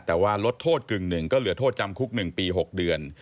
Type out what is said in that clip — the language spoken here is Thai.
แต่ว่าลดโทษกึ่งหนึ่งก็เหลือโทษจำคุก๑ปี๖เดือน